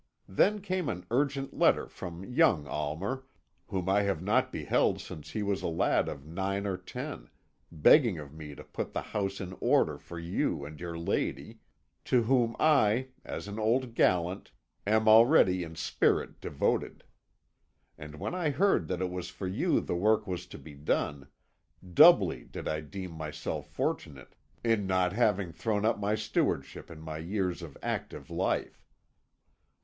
Then came an urgent letter from young Almer, whom I have not beheld since he was a lad of nine or ten, begging of me to put the house in order for you and your lady, to whom I, as an old gallant, am already in spirit devoted. And when I heard that it was for you the work was to be done, doubly did I deem myself fortunate in not having thrown up the stewardship in my years of active life.